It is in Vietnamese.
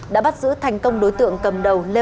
đã bắt giữ thành công một đường dây chuyên tuyển